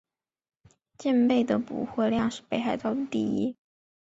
蚬贝的补获量是北海道第一。